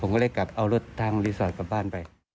ผมก็เลยกลับเอารถทางรีสอร์ทกลับบ้านไป